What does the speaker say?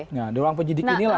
nah di ruang penyidik inilah